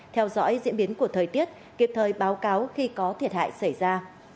theo dõi diễn biến của thời tiết kịp thời báo cáo khi có thiệt hại xảy ra